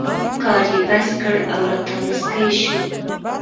کار یې بس کړ او راته مسکی شو.